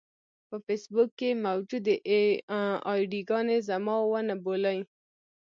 په فېسبوک کې موجودې اې ډي ګانې زما ونه بولي.